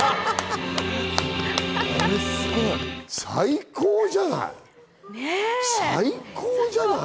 最高じゃない？